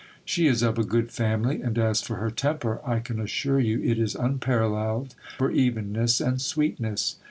She is of a good family ; and as for her temper, I can assure you it is unparalleled for evenness and sweetness.